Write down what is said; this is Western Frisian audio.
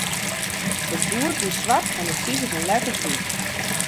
It boerd wie swart en de sifers en letters wyt.